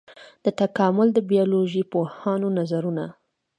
د تکامل د بيولوژي پوهانو نظرونه.